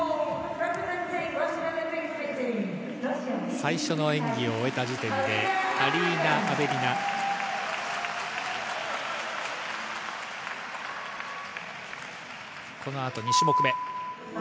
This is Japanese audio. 最初の演技を終えた時点で、アリーナ・アベリナ、この後、２種目目。